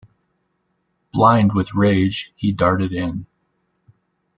Blind with rage, he darted in.